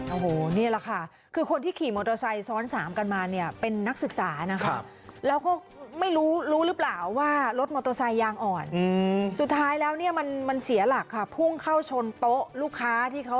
โอ้โหนี่แหละค่ะคือคนที่ขี่มอเตอร์ไซค์ซ้อนสามกันมาเนี่ยเป็นนักศึกษานะครับแล้วก็ไม่รู้รู้หรือเปล่าว่ารถมอเตอร์ไซค์ยางอ่อนสุดท้ายแล้วเนี่ยมันมันเสียหลักค่ะพุ่งเข้าชนโต๊ะลูกค้าที่เขา